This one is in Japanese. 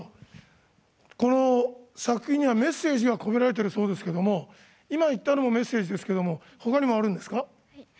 この作品にはメッセージがこめられているそうですけど今言ったのもメッセージですけど他にもあるんですか？